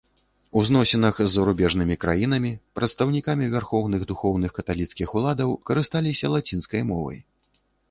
У зносінах з зарубежнымі краінамі, прадстаўнікамі вярхоўных духоўных каталіцкіх уладаў карысталіся лацінскай мовай.